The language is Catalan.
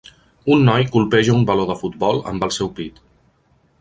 Un noi colpeja un baló de futbol amb el seu pit.